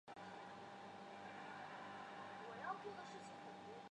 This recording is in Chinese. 电鲇科是辐鳍鱼纲鲇形目的其中一科。